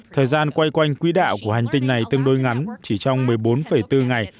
thời gian quay quanh quý đạo của hành tinh này tương đối ngắn chỉ trong một mươi bốn bốn ngày